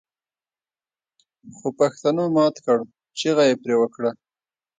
خوپښتنو مات کړ چيغه يې پرې وکړه